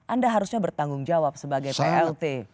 anda harusnya bertanggung jawab sebagai plt